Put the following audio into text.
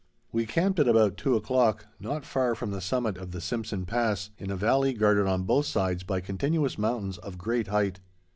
We camped at about two o'clock, not far from the summit of the Simpson Pass, in a valley guarded on both sides by continuous mountains of great height.